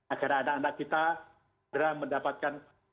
agar anak anak kita daerah mendapatkan pelajarnya